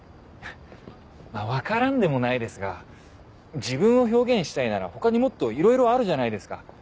まぁ分からんでもないですが自分を表現したいなら他にもっといろいろあるじゃないですか。